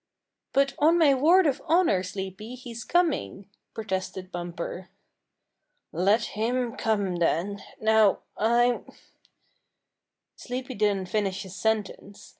"But on my word of honor, Sleepy, he's coming," protested Bumper. "Let him come then! Now I'm " Sleepy didn't finish his sentence.